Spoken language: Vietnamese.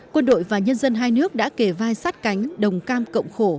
quân đội và nhân dân hai nước đã kể vai sát cánh đồng cam cộng khổ